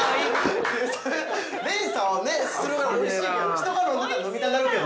人が飲んでたら、飲みたなるけど。